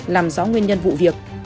làm rõ nguyên nhân vụ việc